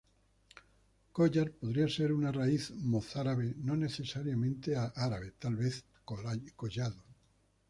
Collar podría ser una raíz mozárabe, no necesariamente árabe, tal vez "collado".